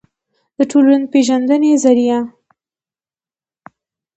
دټولنپېژندې ظریه